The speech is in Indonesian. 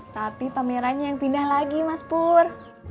tapi pamerannya yang pindah lagi mas pur